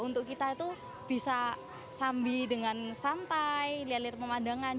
untuk kita itu bisa sambil dengan santai lihat lihat pemandangan